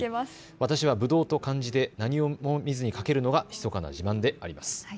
私はぶどうと漢字で何も見ずに書けるのがひそかな自慢です。